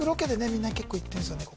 みんな結構行ってんすよね